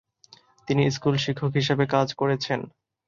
তিনি স্কুল শিক্ষক হিসাবে কাজ করেছেন।